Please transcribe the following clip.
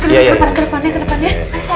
iya ke depan ya